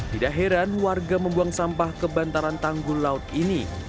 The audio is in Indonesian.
tidak heran warga membuang sampah ke bantaran tanggul laut ini